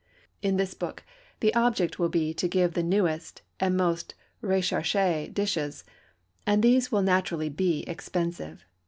In this book the object will be to give the newest and most recherché dishes, and these will naturally be expensive.